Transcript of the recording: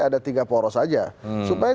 ada tiga poros saja supaya